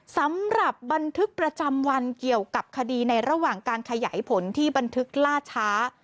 สำหรับบันทึกประจำวันเกี่ยวกับคดีในระหว่างการขยายผลที่บันทึกล่าช้า